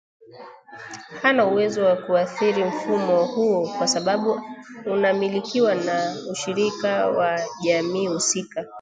Hana uwezo wa kuathiri mfumo huo kwa sababu unamilikiwa na ushirika wa jamii husika